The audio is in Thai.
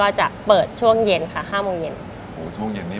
โอ้ช่วงเย็นนี่มริการน่าจะดีเนอะ